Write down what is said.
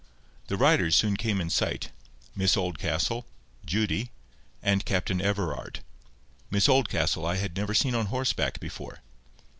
The riders soon came in sight—Miss Oldcastle, Judy, and Captain Everard. Miss Oldcastle I had never seen on horseback before.